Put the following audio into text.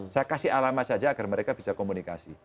saya kasih alamat saja agar mereka bisa komunikasi